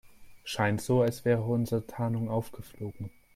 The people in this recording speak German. Scheint so, als wäre unsere Tarnung aufgeflogen.